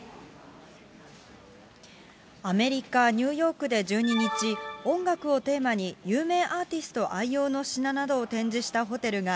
アメリカ・ニューヨークで１２日、音楽をテーマに、有名アーティスト愛用の品などを展示したホテルが、